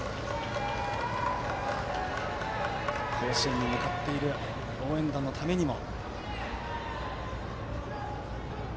甲子園に向かっている応援団のためにも。